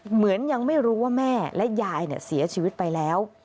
เหมือนยังไม่รู้ว่าแม่และยายเสียชีวิตไปแล้ว